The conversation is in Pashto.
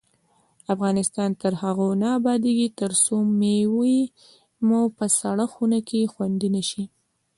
افغانستان تر هغو نه ابادیږي، ترڅو مېوې مو په سړه خونه کې خوندي نشي.